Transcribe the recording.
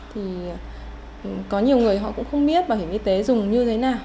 thì có nhiều người họ cũng không biết bảo hiểm y tế dùng như thế nào